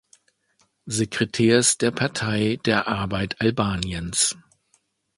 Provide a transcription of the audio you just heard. Sekretärs der Partei der Arbeit Albaniens.